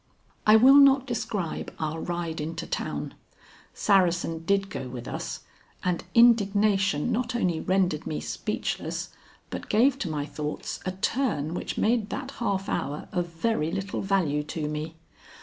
I will not describe our ride into town. Saracen did go with us, and indignation not only rendered me speechless, but gave to my thoughts a turn which made that half hour of very little value to me.